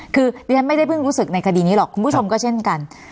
คือดิฉันไม่ได้เพิ่งรู้สึกในคดีนี้หรอกคุณผู้ชมก็เช่นกัน